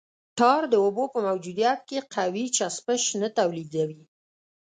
ټار د اوبو په موجودیت کې قوي چسپش نه تولیدوي